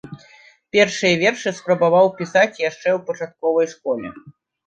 Першыя вершы спрабаваў пісаць яшчэ ў пачатковай школе.